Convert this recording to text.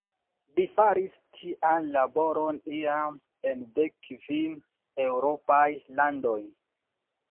Li faris tian laboron iam en dek kvin eŭropaj landoj.